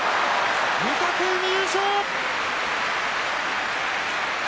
御嶽海、優勝。